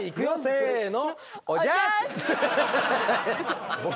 せの。